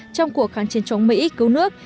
trong cuộc kháng chiến chống mỹ cứu nước